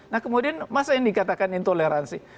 nah kemudian masa yang dikatakan intoleransi